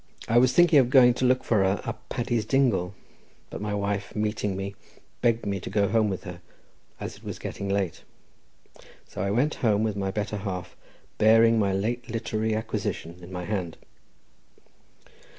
I was thinking of going to look for her up "Paddy's dingle," but my wife, meeting me, begged me to go home with her, as it was getting late. So I went home with my better half, bearing my late literary acquisition in my hand.